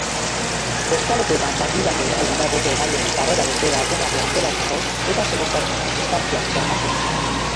Bozkalekuetan langileak egongo dira boto-emaileen sarrera-irteera ordenatua antolatzeko eta segurtasun-distantziak bermatzeko.